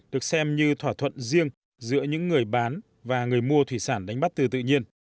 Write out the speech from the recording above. được xem như thỏa thuận riêng giữa những người bán và người mua thủy sản đánh bắt từ tự nhiên